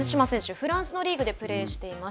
フランスのリーグでプレーしています。